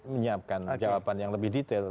menyiapkan jawaban yang lebih detail